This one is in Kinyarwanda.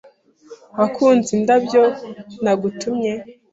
Wakunze indabyo nagutumye?